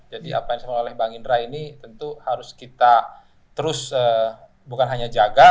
jadi apa yang disampaikan oleh bang indra ini tentu harus kita terus bukan hanya jaga